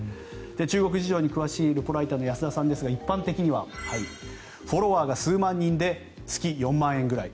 中国事情に詳しいルポライターの安田さんですが一般的にはフォロワーが数万人で月４万くらい。